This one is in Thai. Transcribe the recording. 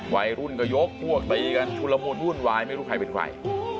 ไหวรุ่นกระโยกพวกไปอีกกันชุดละมุดรุ่นวายไม่รู้ใครเป็นใคร